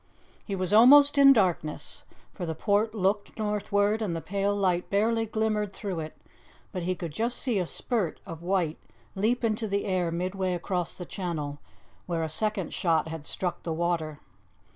He was almost in darkness, for the port looked northward, and the pale light barely glimmered through it, but he could just see a spurt of white leap into the air midway across the channel, where a second shot had struck the water.